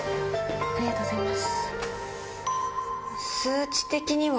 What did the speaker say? ありがとうございます。